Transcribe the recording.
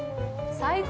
最高！